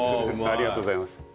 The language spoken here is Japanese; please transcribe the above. ありがとうございます。